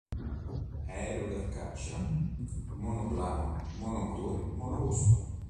Aereo da caccia, monoplano, monomotore, monoposto.